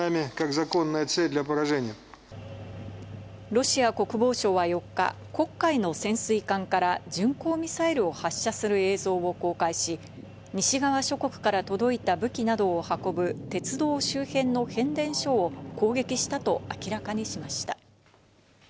ロシア国防省は４日、黒海の潜水艦から巡航ミサイルを発射する映像を公開し、西側諸国から届いた武器などを運ぶ鉄道周辺の変電所を攻撃したと明らかにしました。